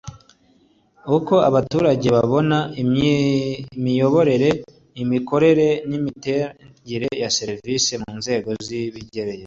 uko abaturage babona imiyoborere imikorere n'imitangire ya serivisi mu nzego zibegereye